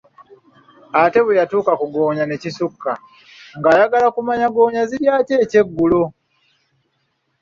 Ate bwe yatuuka ku ggoonya ne kisukka, nga eyagala okumanya, ggoonya zirya ki ekyeggulo?